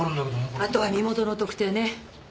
あとは身元の特定ね。